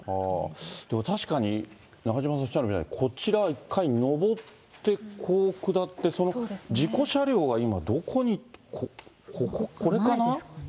でも確かに、中島さんおっしゃるように、こちら１回上って、こう下って、その事故車両が今、どこに、これかな？